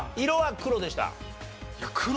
色は黒でした？